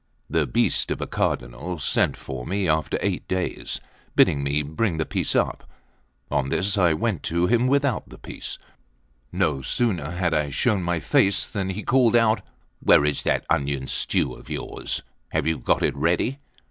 That beast of a Cardinal sent for me after eight days, bidding me bring the piece up. On this I went to him without the piece. No sooner had I shown my face, than he called out: "Where is that onion stew of yours? Have you got it ready?"